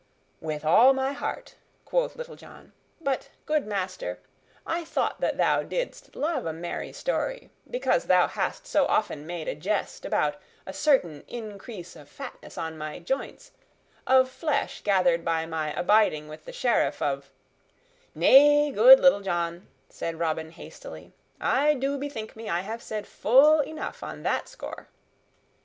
"With all my heart," quoth Little John. "But, good master, I thought that thou didst love a merry story, because thou hast so often made a jest about a certain increase of fatness on my joints, of flesh gathered by my abiding with the Sheriff of " "Nay, good Little John," said Robin hastily, "I do bethink me I have said full enough on that score."